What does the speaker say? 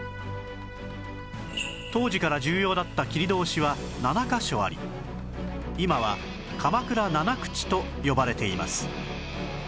当時から重要だった切通は７カ所あり今は鎌倉七口と呼ばれています